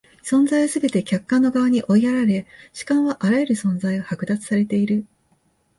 存在はすべて客観の側に追いやられ、主観はあらゆる存在を剥奪されている。